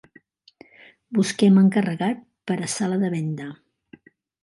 Busquem encarregat per a sala de venda.